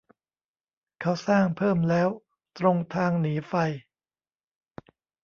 เขาสร้างเพิ่มแล้ว ตรงทางหนีไฟ